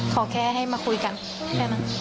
ขอแค่ให้มาคุยกันแค่นั้น